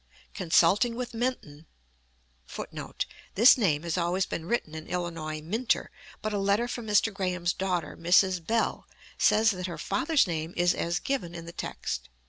Consulting with Menton [Footnote: This name has always been written in Illinois "Minter," but a letter from Mr. Graham's daughter, Mrs. Bell, says that her father's name is as given in the text.